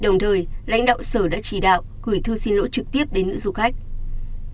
đồng thời lãnh đạo sở đã chỉ đạo gửi thư xin lỗi trực tiếp đến nữ du khách